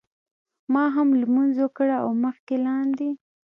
ما هم لمونځ وکړ او مخکې لاندې.